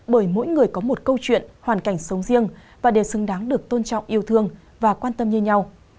bởi mỗi người có một câu chuyện hoàn cảnh sống riêng và đều xứng đáng được tôn trọng yêu thương và quan tâm như nhau